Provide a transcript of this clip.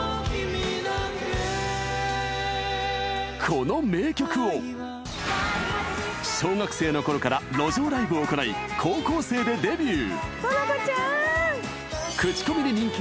この名曲を小学生の頃から路上ライブを行い高校生でデビュー